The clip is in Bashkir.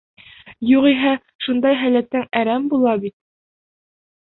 Юғиһә шундай һәләтең әрәм була бит.